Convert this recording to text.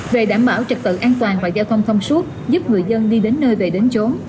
về đảm bảo trực tự an toàn và giao thông thông suốt giúp người dân đi đến nơi về đến chỗ